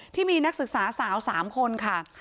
ที่มีนักศึกษาสาว๓คนค่ะ